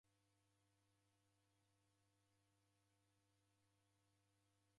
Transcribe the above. Malagho ghachua ichia na ichia